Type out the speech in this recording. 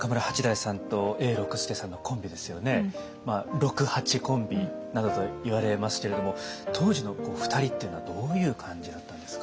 六・八コンビなどと言われますけれども当時の２人っていうのはどういう感じだったんですか？